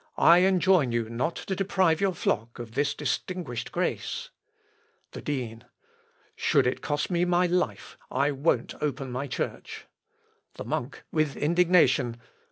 I enjoin you not to deprive your flock of this distinguished grace." The Dean. "Should it cost me my life, I won't open my church." The Monk (with indignation).